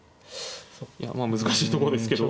まあ難しいところですけど。